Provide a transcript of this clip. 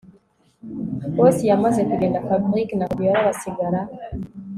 Boss yamaze kugenda Fabric na Fabiora basigara